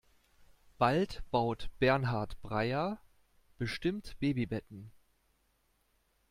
Bald baut Bernhard Breyer bestimmt Babybetten.